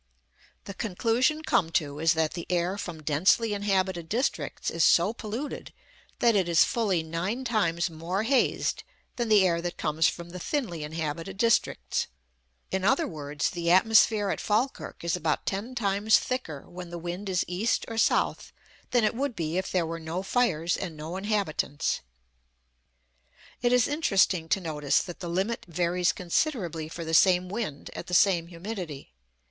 The conclusion come to is that the air from densely inhabited districts is so polluted that it is fully nine times more hazed than the air that comes from the thinly inhabited districts; in other words, the atmosphere at Falkirk is about ten times thicker when the wind is east or south than it would be if there were no fires and no inhabitants. It is interesting to notice that the limit varies considerably for the same wind at the same humidity.